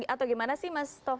atau gimana sih mas